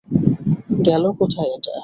গেল কোথায় এটা?